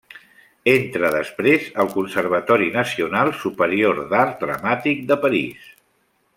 Entra després al Conservatori nacional superior d'art dramàtic de París.